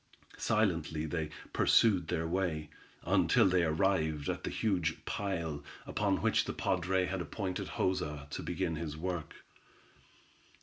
Silently they pursued their way, until they arrived at the huge pile, upon which the padre had appointed Joza to begin his work.